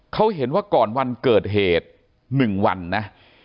เขาเห็นว่าก่อนวันเกิดเหตุ๑วันนะ